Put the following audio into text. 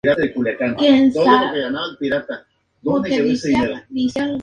Uno de sus primeros integrantes fue el ministro Servando Jordán.